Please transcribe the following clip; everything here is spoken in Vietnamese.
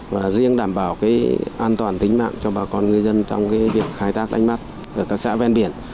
và riêng đảm bảo an toàn tính mạng cho bà con ngư dân trong việc khai tác đánh mắt của các xã ven biển